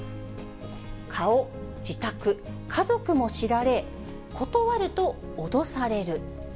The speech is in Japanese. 顔、自宅、家族も知られ、断ると脅される。